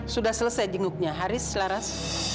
sudah selesai jenguknya haris selaras